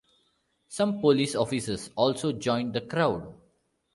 Some police officers also joined the crowd.